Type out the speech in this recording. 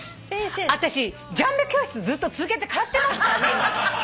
私ジャンベ教室ずっと続けて通ってますから今。